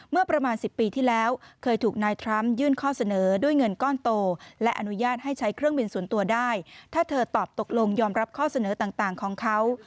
เมื่อประมาณ๑๐ปีที่แล้วเคยถูกนายทรัมป์ยื่นข้อเสนอด้วยเงินก้อนโตและอนุญาตให้ใช้เครื่องบินส่วนตัวได้ถ้าเธอตอบตกลงยอมรับข้อเสนอต่างของเขา